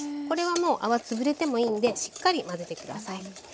これはもう泡つぶれてもいいんでしっかり混ぜて下さい。